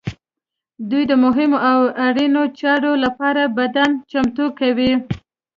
دوی د مهمو او اړینو چارو لپاره بدن چمتو کوي.